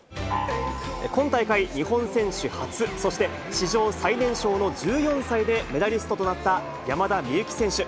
今大会日本選手初、そして史上最年少の１４歳でメダリストとなった山田美幸選手。